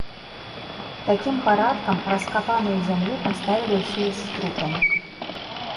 Такім парадкам раскапаную зямлю паставілі ў сувязь з трупам.